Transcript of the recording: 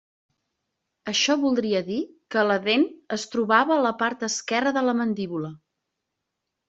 Això voldria dir que la dent es trobava a la part esquerra de la mandíbula.